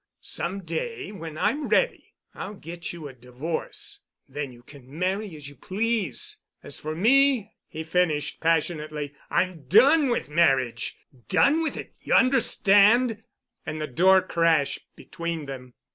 Some day when I'm ready I'll get you a divorce. Then you can marry as you please. As for me," he finished passionately, "I'm done with marriage—done with it—you understand?" And the door crashed between them.